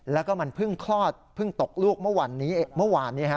แล้วก็มันเพิ่งคลอดเพิ่งตกลูกเมื่อวานนี้